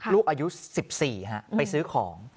ลูกอายุ๑๔ไปซื้อของ